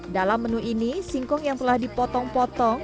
dalam menu ini singkong yang telah dipotong potong